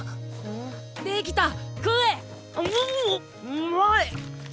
うまい！